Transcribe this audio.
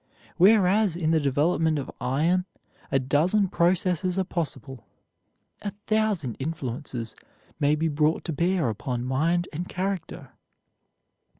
Whereas, in the development of iron, a dozen processes are possible, a thousand influences may be brought to bear upon mind and character.